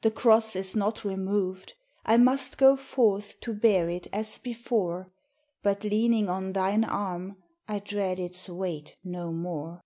The cross is not removed, I must go forth to bear it as before, But, leaning on thine arm, I dread its weight no more.